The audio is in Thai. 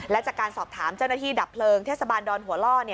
และจากการสอบถามเจ้าหน้าที่ดับเพลิงเทศบาลดอนหัวล่อ